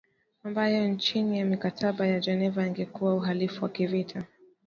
ambayo chini ya mikataba ya Geneva yangekuwa uhalifu wa kivita